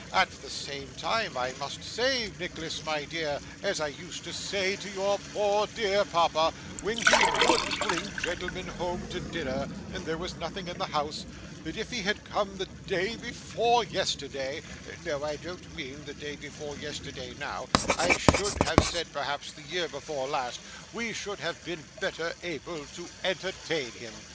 'At the same time I must say, Nicholas, my dear, as I used to say to your poor dear papa, when he WOULD bring gentlemen home to dinner, and there was nothing in the house, that if he had come the day before yesterday no, I don't mean the day before yesterday now; I should have said, perhaps, the year before last we should have been better able to entertain him.